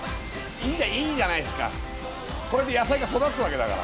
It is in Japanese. いいじゃないですかこれで野菜が育つわけだから。